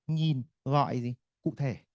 nhìn gọi gì cụ thể